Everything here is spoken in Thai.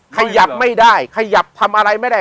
ขยับไม่ได้ขยับทำอะไรไม่ได้